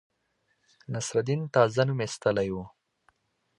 نصرالدین تازه نوم ایستلی وو.